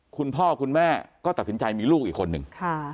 คุณพ่อคุณแม่ก็ตัดสินใจมีลูกอีกคนนึง